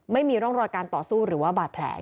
ไม่มีร่องรอยการต่อสู้หรือว่าบาดแผล